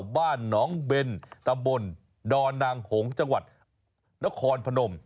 บ้านหนองเบนตำบลดอนนางหงษ์จังหวัดนครพนม